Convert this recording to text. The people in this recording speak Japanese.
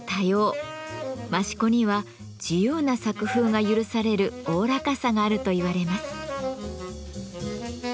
益子には自由な作風が許されるおおらかさがあると言われます。